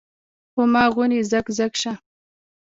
پۀ ما غونے زګ زګ شۀ ـ